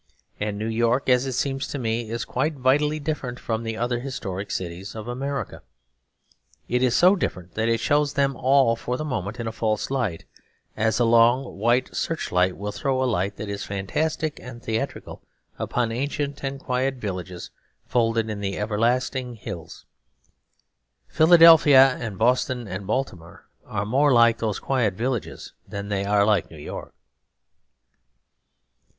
And New York, as it seems to me, is quite vitally different from the other historic cities of America. It is so different that it shows them all for the moment in a false light, as a long white searchlight will throw a light that is fantastic and theatrical upon ancient and quiet villages folded in the everlasting hills. Philadelphia and Boston and Baltimore are more like those quiet villages than they are like New York.